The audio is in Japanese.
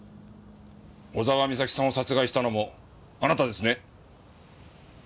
小沢美咲さんを殺害したのもあなたですね？